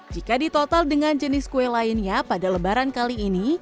jika ditotal dengan jenis kue lainnya pada lebaran kali ini